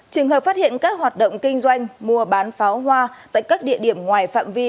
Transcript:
trường hợp phát hiện các hoạt động kinh doanh mua bán pháo hoa tại các địa điểm ngoài phạm vi